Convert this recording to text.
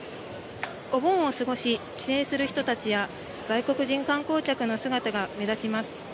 お盆を過ごし帰省する人たちや、外国人観光客の姿が目立ちます。